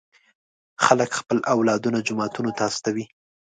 خلک خپل اولادونه جوماتونو ته استوي.